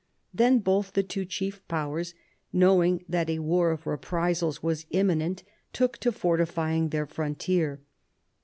Then both the two chief powers, knowing that a war of reprisals was imminent, took to fortifying their frontier.